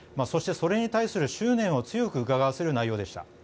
そして、それに対する執念を強くうかがわせる内容でした。